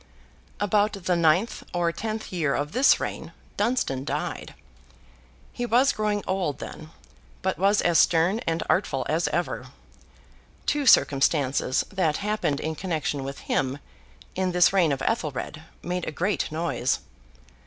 About the ninth or tenth year of this reign, Dunstan died. He was growing old then, but was as stern and artful as ever. Two circumstances that happened in connexion with him, in this reign of Ethelred, made a great noise.